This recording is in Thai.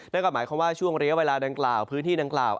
นั่นก็หมายความว่าช่วงระยะเวลาดังกล่าวพื้นที่ดังกล่าว